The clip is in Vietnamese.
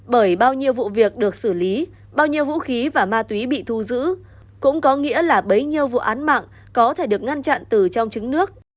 bởi bao nhiêu vụ việc được xử lý bao nhiêu vũ khí và ma túy bị thu giữ cũng có nghĩa là bấy nhiêu vụ án mạng có thể được ngăn chặn từ trong chứng nước